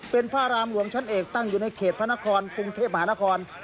เป็นพระรามหลวงชั้นเอกตั้งอยู่ในเขตพระนครกรุงเทพมหานคร